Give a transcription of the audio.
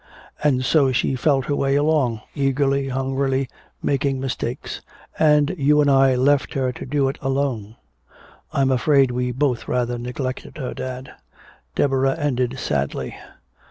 And so she felt her way along eagerly, hungrily, making mistakes and you and I left her to do it alone. I'm afraid we both rather neglected her, dad," Deborah ended sadly.